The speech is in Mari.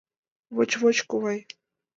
Воч-воч, ковай.